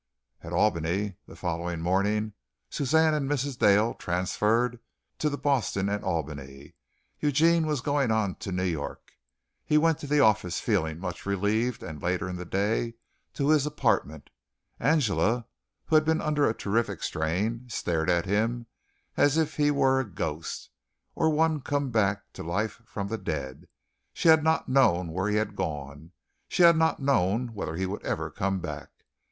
At Albany the following morning, Suzanne and Mrs. Dale transferred to the Boston and Albany, Eugene going on to New York. He went to the office feeling much relieved, and later in the day to his apartment. Angela, who had been under a terrific strain, stared at him as if he were a ghost, or one come back to life from the dead. She had not known where he had gone. She had not known whether he would ever come back.